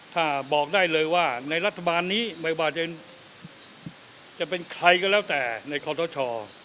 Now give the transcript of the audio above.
ถ้าบอกได้เลยว่าในรัฐบาลนี้ไม่ว่าจะเป็นใครก็แล้วแต่ในคอทช